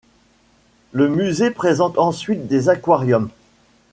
Le musée présente ensuite des aquarium.